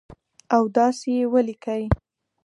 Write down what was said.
او داسي یې ولیکئ